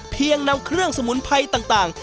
เพียงนำเครื่องสมุนไพรต่าง